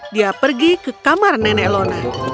dia pergi ke kamar nenek lona